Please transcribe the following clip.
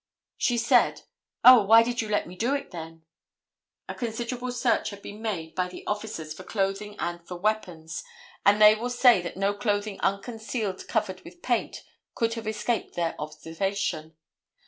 She said: "Oh, why did you let me do it then?" A considerable search had been made by the officers for clothing and for weapons, and they will say that no clothing unconcealed covered with paint could have escaped their observation.